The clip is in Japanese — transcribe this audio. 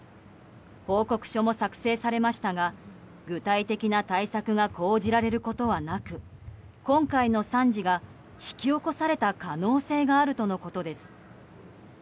報告書も作成されましたが具体的な対策が講じられることはなく今回の惨事が引き起こされた可能性があるとのことです。